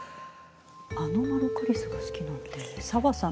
アノマロカリスが好きなんて紗和さん